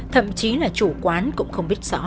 thậm chí là chủ quán cũng không biết rõ